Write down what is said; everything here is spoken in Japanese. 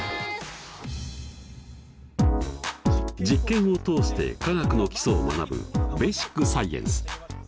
実験を通して科学の基礎を学ぶ「ベーシックサイエンス」。